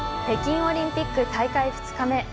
北京オリンピック大会２日目。